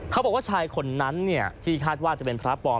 เขาบอกว่าชายคนนั้นที่คาดว่าจะเป็นพระปอม